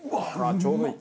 ちょうどいい。